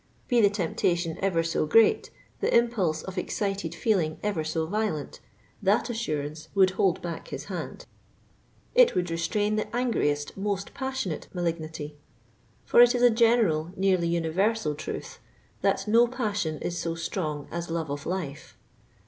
Be the temptation ever so great, the impulse of excited feeling ever so violent, that assurance would hold back his hand. <« It 44 would restrain the angriest, most passionate malignity/' For it b a general, nearly universal, truth that *< no jpassion is so strong as love of life.